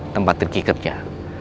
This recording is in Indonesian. tempat riki kebjah